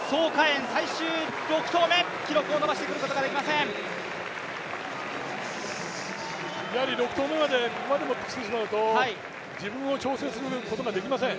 媛、最終６投目、記録を伸ばすことができません。